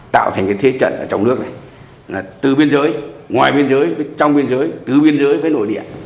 tạo thành cái thế trận ở trong nước này là từ biên giới ngoài biên giới trong biên giới cứ biên giới với nội địa